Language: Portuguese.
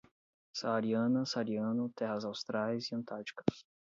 Saariana, saariano, terras austrais e antárticas